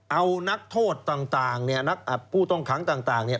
เอานักโทษต่างต่างเนี่ยนักอ่าผู้ต้องค้างต่างต่างเนี่ย